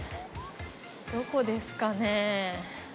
どこですかね？